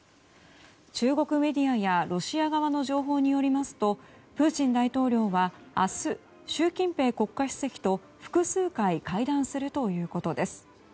中国メディアやロシア側の情報によりますとプーチン大統領は明日、習近平国家主席と複数回会談するということです。